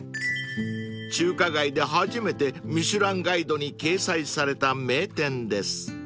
［中華街で初めて『ミシュランガイド』に掲載された名店です］